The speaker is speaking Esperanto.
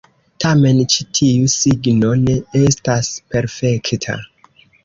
Tamen, ĉi tiu signo ne estas perfekta.